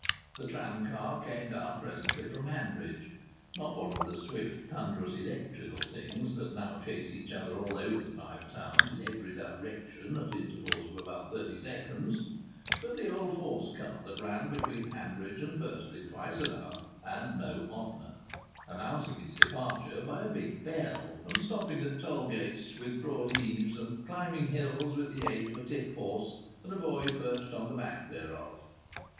The tramcar came down presently from Hanbridge. Not one of the swift thunderous electrical things that now chase each other all over the Five Towns in every direction at intervals of about thirty seconds; but the old horse car that ran between Hanbridge and Bursley twice an hour and no oftener, announcing its departure by a big bell, and stopping at toll gates with broad eaves, and climbing hills with the aid of a tip horse and a boy perched on the back thereof.